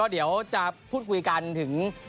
เดี๋ยวจะพูดคุยกันถึง